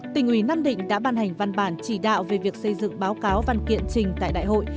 tỉnh ủy nam định đã ban hành văn bản chỉ đạo về việc xây dựng báo cáo văn kiện trình tại đại hội